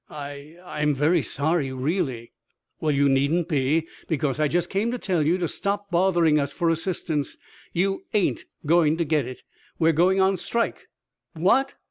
"I I'm very sorry, really." "Well, you needn't be, because I just came to tell you to stop bothering us for assistance; you ain't going to get it. We're going on Strike!" "What!"